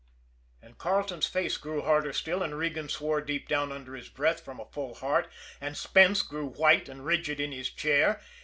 And Carleton's face grew harder still, and Regan swore deep down under his breath from a full heart, and Spence grew white and rigid in his chair.